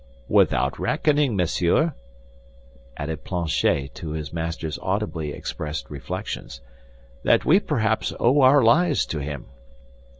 "Without reckoning, monsieur," added Planchet to his master's audibly expressed reflections, "that we perhaps owe our lives to him.